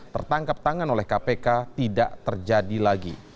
tertangkap tangan oleh kpk tidak terjadi lagi